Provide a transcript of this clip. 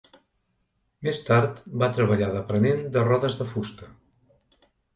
Més tard va treballar d'aprenent de rodes de fusta.